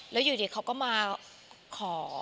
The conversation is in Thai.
แล้วอยู่ดีเขาก็มาขอ